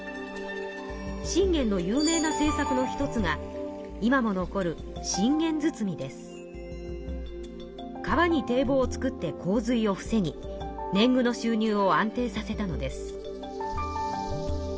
信玄の有名な政さくの一つが今も残る川に堤防をつくってこう水を防ぎ年貢のしゅう入を安定させたのです。